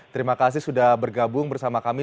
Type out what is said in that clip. terima kasih sudah bergabung bersama kami